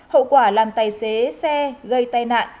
hậu quả làm tài xế xe gây tai nạn